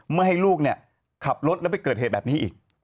ไม่ให้ลูกเนี่ยขับรถแล้วไปเกิดเหตุแบบนี้อีก